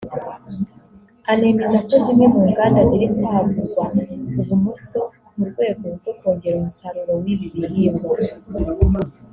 anemeza ko zimwe mu nganda ziri kwagurwa ubuso mu rwego rwo kongera umusaruro w’ibi bihingwa